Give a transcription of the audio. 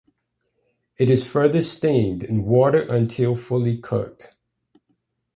It is further steamed in water until fully cooked.